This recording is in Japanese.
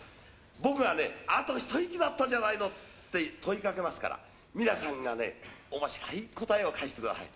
僕がね、あと一息だったじゃないのって問いかけますから、皆さんがね、おもしろい答えを返してください。